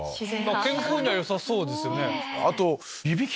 健康にはよさそうですよね。